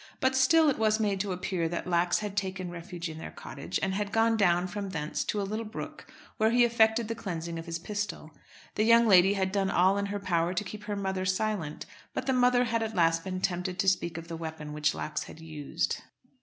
But, still, it was made to appear that Lax had taken refuge in their cottage, and had gone down from thence to a little brook, where he effected the cleansing of his pistol. The young lady had done all in her power to keep her mother silent, but the mother had at last been tempted to speak of the weapon which Lax had used.